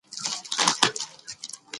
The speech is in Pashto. انا له ماشوم سره د مینې کولو هېڅ تابیا نهلري.